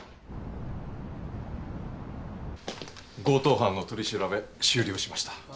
強盗犯の取り調べ終了しました。